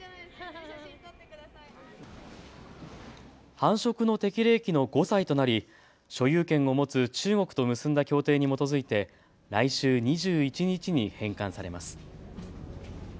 繁殖の適齢期の５歳となり所有権を持つ中国と結んだ協定に基づいて来週２１日に返還されます。